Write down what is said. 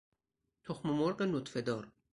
تخم مرغ نطفه دار